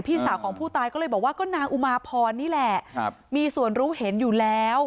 พี่สาวของผู้ตายก็เลยบอกว่าก็นางอุมาพรนี่แหละมีส่วนรู้เห็นอยู่แล้ว